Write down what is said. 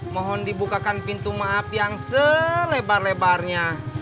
mohon dibukakan pintu maaf yang selebar lebarnya